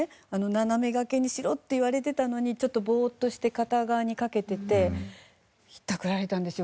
斜めがけにしろって言われてたのにちょっとボーッとして片側にかけててひったくられたんですよ。